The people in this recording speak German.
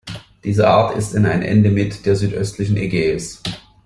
Diese Art ist in ein Endemit der südöstlichen Ägäis.